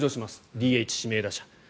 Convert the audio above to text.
ＤＨ、指名打者。